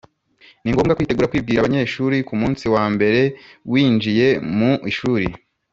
ni ngombwa kwitegura kwibwira abanyeshuri ku munsi wa mbere winjiye mu ishuri